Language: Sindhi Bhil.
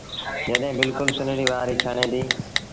جڏهيݩ بلڪُل سنڙيٚ وآريٚ ڇڻي ديٚ۔